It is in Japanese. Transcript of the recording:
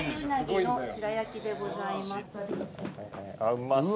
うまそう。